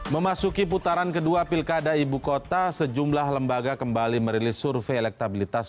memasuki putaran kedua pilkada ibu kota sejumlah lembaga kembali merilis survei elektabilitas